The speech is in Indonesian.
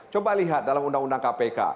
coba lihat dalam undang undang kpk